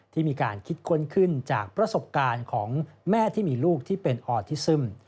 ที่มีการคิดค้นขึ้นจากประสบการณ์ของแม่ที่มีลูกที่เป็นออทิซึม